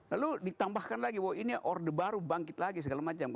lalu ditambahkan lagi bahwa ini orde baru bangkit lagi segala macam